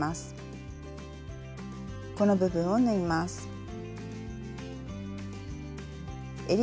この部分を縫います。